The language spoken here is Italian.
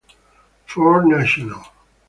Fort National